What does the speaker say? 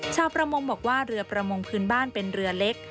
ชาวประมงบอกว่าเรือประมงพื้นบ้านเป็นเรือเล็ก